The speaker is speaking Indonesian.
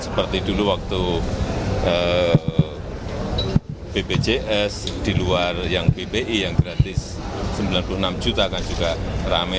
seperti dulu waktu bpjs di luar yang bpi yang gratis sembilan puluh enam juta kan juga rame